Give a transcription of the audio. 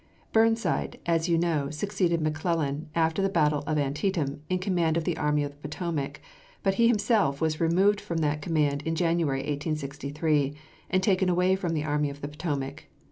Burnside, as you know, succeeded McClellan after the battle of Antietam in command of the Army of the Potomac; but he himself was removed from that command in January, 1863, and taken away from the Army of the Potomac.